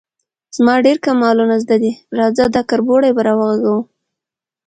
_زما ډېر کمالونه زده دي، راځه، دا کربوړی به راوغږوم.